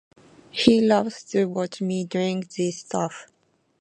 He loves to watch me drink this stuff.